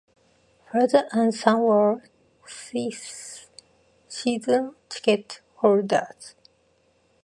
Father and son were season ticket holders.